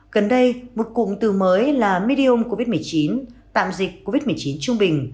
gần đây một cụm từ mới là midiom covid một mươi chín tạm dịch covid một mươi chín trung bình